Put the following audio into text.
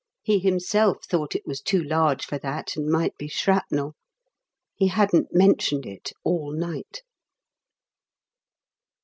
He himself thought it was too large for that, and might be shrapnel! He hadn't mentioned it all night.